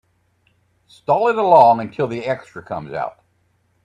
Stall it along until the extra comes out.